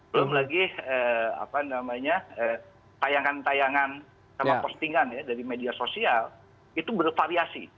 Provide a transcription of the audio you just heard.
belum lagi apa namanya tayangan tayangan sama postingan ya dari media sosial itu bervariasi